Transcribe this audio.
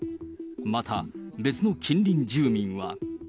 また別の近隣住民は。